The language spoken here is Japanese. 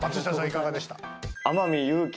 いかがでした？